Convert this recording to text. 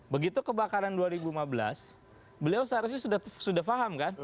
begitu kebakaran dua ribu lima belas beliau seharusnya sudah paham kan